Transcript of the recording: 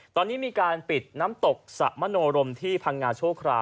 ตอนนี้มีการปิดน้ำตกสะมโนรมที่พังงาชั่วคราว